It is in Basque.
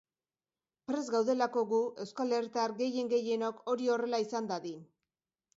Prest gaudelako gu, euskal herritar gehien-gehienok, hori horrela izan dadin.